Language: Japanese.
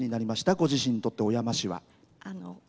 ご自身にとって、小山市は。